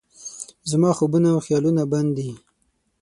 زما خوبونه او خیالونه بند دي